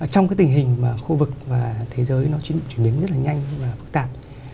trong cái tình hình mà khu vực và thế giới nó chịu chuyển biến rất là nhanh và phức tạp